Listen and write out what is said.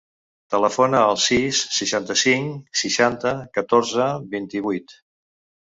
Telefona al sis, seixanta-cinc, seixanta, catorze, vint-i-vuit.